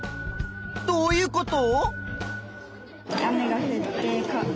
どういうこと？